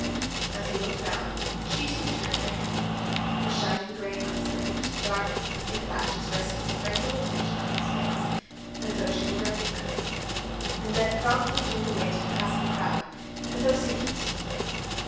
As he looked round, she too turned her head. Her shining gray eyes, that looked dark from the thick lashes, rested with friendly attention on his face, as though she were recognizing him, and then promptly turned away to the passing crowd, as though seeking someone.